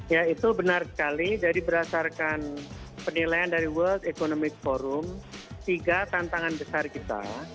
ya itu benar sekali jadi berdasarkan penilaian dari world economic forum tiga tantangan besar kita